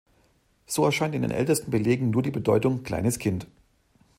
So erscheint in den ältesten Belegen nur die Bedeutung 'kleines kind'.